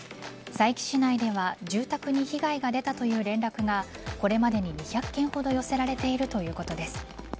佐伯市内では住宅に被害が出たという連絡がこれまでに２００件ほど寄せられているということです。